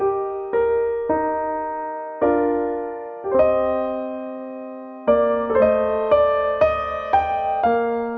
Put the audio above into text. มันเป็นเรื่องรักความดี